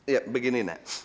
ya begini nak